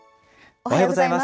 おはようございます。